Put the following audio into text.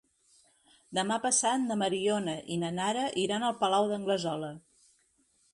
Demà passat na Mariona i na Nara iran al Palau d'Anglesola.